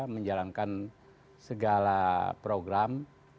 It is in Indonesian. menjalankan segala program